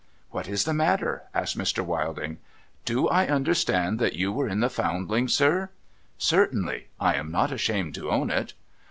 ' What is the matter ?' asked Mr. Wilding. ' Do I understand that you were in the Foundling, sir ?'' Certainly. I am not ashamed to own it.'